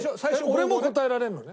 俺も答えられるのね？